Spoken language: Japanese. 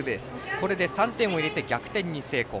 これで３点を入れて逆転に成功。